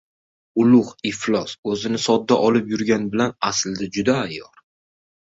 — Ulug‘ iflos o‘zini sodda olib yurgan bilan aslida juda ayyor!